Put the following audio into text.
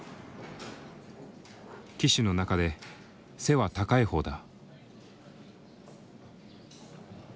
騎手の中で背は高いほうだ。